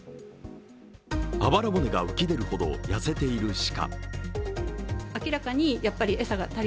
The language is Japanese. あばら骨が浮き出るほど痩せている鹿。